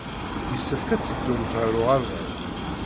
Yessefk ad teddumt ɣer uɣerbaz.